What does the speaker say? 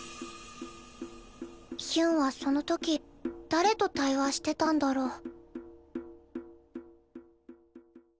ヒュンはその時誰と対話してたんだろ。